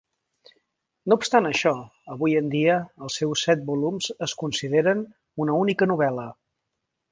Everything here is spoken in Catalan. No obstant això, avui en dia els seus set volums es consideren una única novel·la.